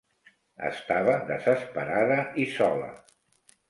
Estava desesperada i sola.